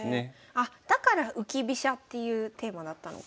あっだから浮き飛車っていうテーマだったのか。